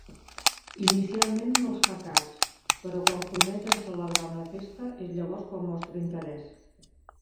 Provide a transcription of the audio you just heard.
Inicialment no els fa cas, però quan prometen celebrar una festa és llavors quan mostra interès.